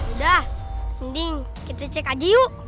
udah mending kita cek lagi yuk